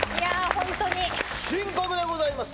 ホントに深刻でございます